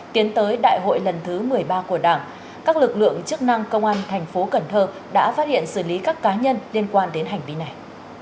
tiến tới đại hội lần thứ một mươi ba của đảng các lực lượng chức năng công an thành phố cần thơ đã phát hiện xử lý các cá nhân liên quan đến hành vi này